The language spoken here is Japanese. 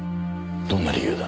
どんな理由だ？